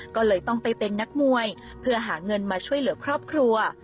ก็เลยต้องไปเป็นนักมวยเพื่อหาเงินมาช่วยเหลือครอบครัว